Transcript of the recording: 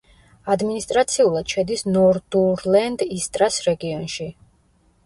ადმინისტრაციულად შედის ნორდურლენდ ისტრას რეგიონში.